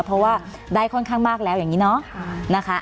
เพราะว่าได้ค่อนข้างมากแล้วอย่างนี้เนาะนะคะ